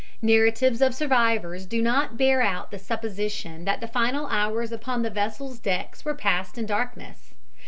Narratives of survivors do not bear out the supposition that the final hours upon the vessel's decks were passed in darkness.